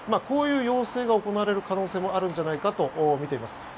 こういう要請が行われる可能性もあるんじゃないかと見ています。